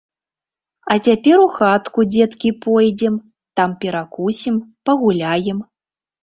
А цяпер у хату, дзеткі, пойдзем, там перакусім, пагуляем.